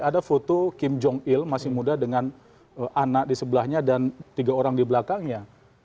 ada foto kim jong il masih muda dengan anak di sebelahnya dan tiga orang di belakangnya